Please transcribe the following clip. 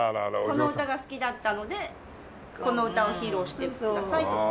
この歌が好きだったのでこの歌を披露してくださいとか。